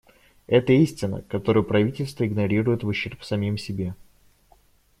Это истина, которую правительства игнорируют в ущерб самим себе.